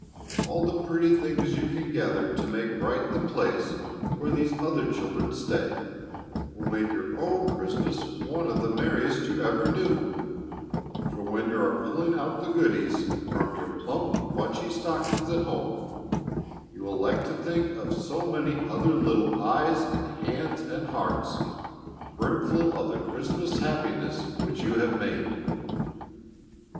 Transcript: All the pretty things you can gather to make bright the place where these other children stay will make your own Christmas one of the merriest you ever knew, for when you are pulling out the "goodies" from your plump bunchy stockings at home, you will like to think of so many other little eyes and hands and hearts brimful of the Christmas happiness which you have made.